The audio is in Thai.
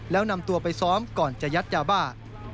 แล้วนำตัวไปซ้อมก่อนจะยัดยาบ้า